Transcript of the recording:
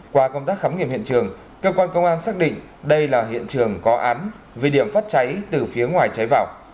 qua công tác khám nghiệm hiện trường cơ quan công an xác định đây là hiện trường có án vì điểm phát cháy từ phía ngoài cháy vào